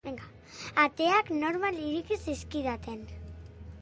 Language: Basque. Ateak normal ireki zizkidaten.